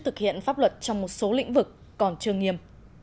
thực hiện pháp luật trong một số lĩnh vực còn chưa nghiêm